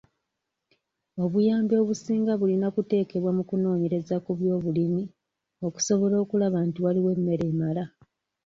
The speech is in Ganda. Obuyambi obusinga bulina kuteekebwa mu kunoonyereza ku byobulima okusobola okulaba nti waliwo emmere emala.